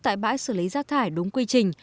tại bãi xử lý rác thải đúng quy trình